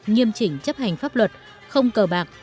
nghiêm chỉnh chấp hành pháp luật không cờ bạc